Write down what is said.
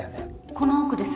この奥です